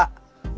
ketemu sama otang